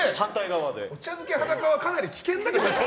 お茶漬け、裸はかなり危険だけど。